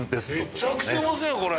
めちゃくちゃうまそうこれ！